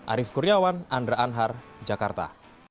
arief kurniawan andra anhar jakarta